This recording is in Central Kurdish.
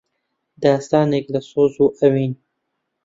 داستانێک لە سۆز و ئەوین